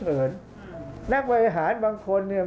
ภาคอีสานแห้งแรง